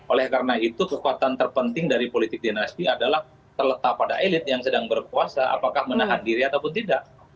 oleh karena itu kekuatan terpenting dari politik dinasti adalah terletak pada elit yang sedang berkuasa apakah menahan diri ataupun tidak